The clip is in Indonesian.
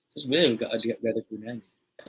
terus bener bener gak ada gunanya